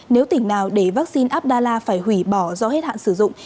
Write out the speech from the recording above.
nếu tỉnh nào để vaccine abdalla phải hủy bỏ do hết hạn sử dụng